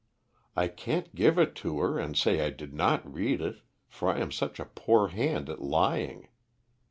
I can't give it to her and say I did not read it, for I am such a poor hand at lying.